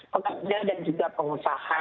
pengajar dan juga pengusaha